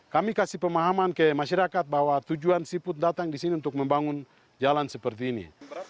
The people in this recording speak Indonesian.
kami kasih pemahaman ke masyarakat bahwa tujuan siput datang di sini untuk membangun jalan seperti ini